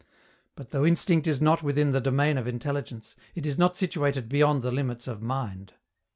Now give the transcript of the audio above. But, though instinct is not within the domain of intelligence, it is not situated beyond the limits of mind.